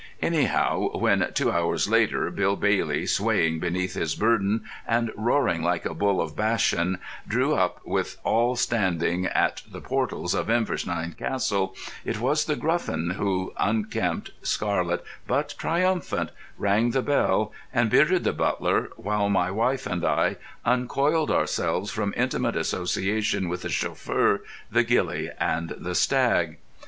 Anyhow, when, two hours later, Bill Bailey, swaying beneath his burden and roaring like a Bull of Bashan, drew up with all standing at the portals of Inversneishan Castle, it was The Gruffin who, unkempt, scarlet, but triumphant, rang the bell and bearded the butler while my wife and I uncoiled ourselves from intimate association with the chauffeur, the ghillie, and the stag.